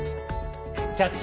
「キャッチ！